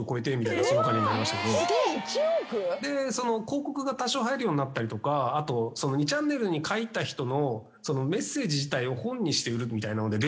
広告が多少入るようになったりとかあと２ちゃんねるに書いた人のメッセージ自体を本にして売るみたいなので。